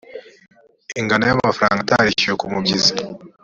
ingano y amafaranga atarishyuwe kumibyizi